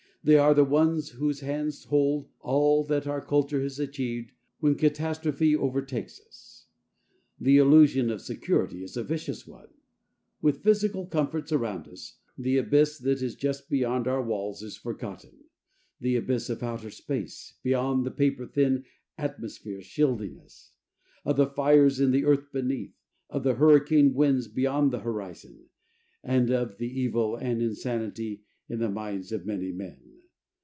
They are the ones whose hands hold all that our culture has achieved when catastrophe overtakes us. The illusion of security is a vicious one. With physical comforts around us, the abyss that is just beyond our walls is forgotten: the abyss of outer space, beyond the paper thin atmosphere shielding us; of the fires in the earth beneath; of the hurricane winds beyond the horizon; of the evil and insanity in the minds of many men.